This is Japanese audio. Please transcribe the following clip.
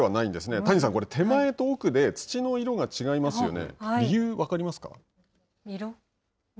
谷さん、手前と奥で土の色が違いますよね。